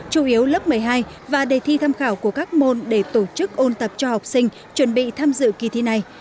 chủ yếu lớp một mươi hai và đề thi tham khảo của các môn để tổ chức ôn tập cho học sinh chuẩn bị tham dự kỳ thi này